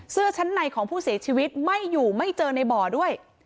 เสื้อชั้นในของผู้เสียชีวิตไม่อยู่ไม่เจอในบ่อด้วย